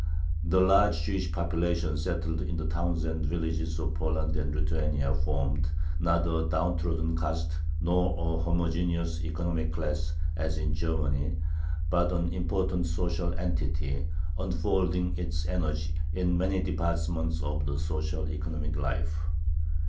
The large Jewish population settled in the towns and villages of Poland and Lithuania formed, not a downtrodden caste, nor a homogeneous economic class, as in Germany, but an important social entity, unfolding its energy in many departments of social economic life.